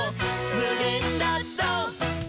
「むげんだぞう！」